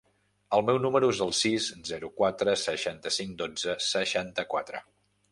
El meu número es el sis, zero, quatre, seixanta-cinc, dotze, seixanta-quatre.